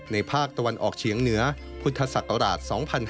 ภาคตะวันออกเฉียงเหนือพุทธศักราช๒๕๕๙